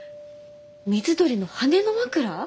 水鳥の羽根の枕！？